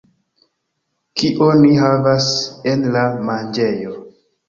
Kion ni havas en la manĝejo